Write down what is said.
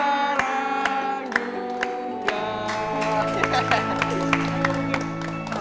sekarang juga sekarang juga